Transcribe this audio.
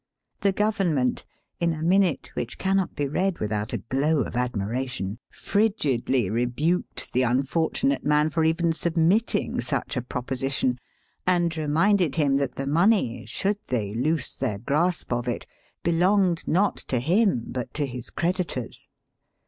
The Government, in a minute which cannot be read without a glow of admiration, frigidly rebuked the unfortunate man for even submitting such a proposition, and reminded him that the money, should they loose their grasp of it, belonged not to him but to his creditors.